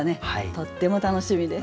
とっても楽しみです。